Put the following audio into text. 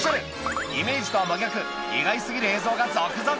イメージとは真逆意外過ぎる映像が続々！